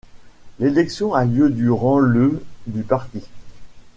L'élection a lieu durant le du parti.